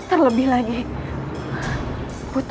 artinya tidak harus oke